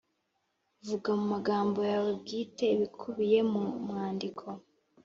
Vuga mu magambo yawe bwite ibikubiye mu mwandiko